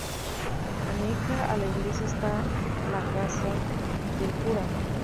Aneja a la iglesia está la "casa del cura".